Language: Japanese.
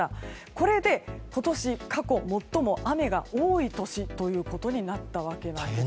これで今年、過去最も雨が多い年ということになったわけです。